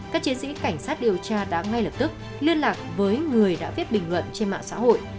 các chiến sĩ cảnh sát điều tra đã ngay lập tức liên lạc với người đã viết bình luận trên mạng xã hội